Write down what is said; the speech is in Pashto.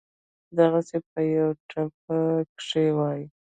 دغسې پۀ يوه ټپه کښې وائي: